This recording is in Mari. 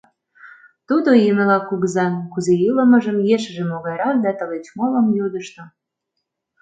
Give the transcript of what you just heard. Тудо Емела кугызан кузе илымыжым, ешыже могайрак да тылеч молым йодышто.